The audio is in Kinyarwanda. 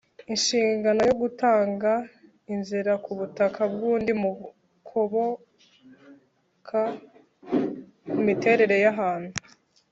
Inshingano yo gutanga inzira ku butaka bw’undi bukomoka ku miterere y’ahantu